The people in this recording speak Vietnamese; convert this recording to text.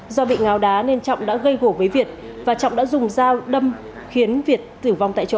do bị ngáo đá nên trọng đã gây hổ với việt và trọng đã dùng dao đâm khiến việt tử vong tại chỗ